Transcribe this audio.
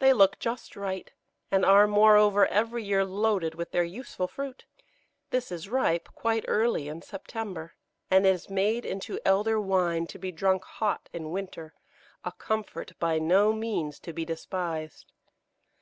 They look just right, and are, moreover, every year loaded with their useful fruit. This is ripe quite early in September, and is made into Elder wine, to be drunk hot in winter, a comfort by no means to be despised.